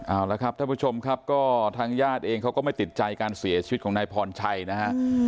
เอาละครับท่านผู้ชมครับก็ทางญาติเองเขาก็ไม่ติดใจการเสียชีวิตของนายพรชัยนะฮะ